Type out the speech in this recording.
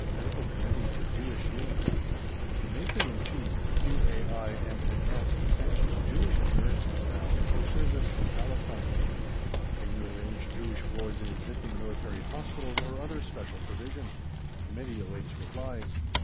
Medical Committee for Jewish Units: "The Matron in Chief Q.A.I.M.N.S. sanctions Jewish Nursing Staff for Service in Palestine. Can you arrange Jewish wards in existing military Hospitals or other special provision? "Committee awaits reply."